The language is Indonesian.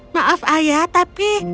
maaf ayah tapi